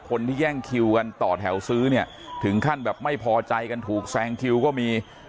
คนที่แย่งคิวกันต่อแถวซื้อเนี่ยถึงขั้นแบบไม่พอใจกันถูกแซงคิวก็มี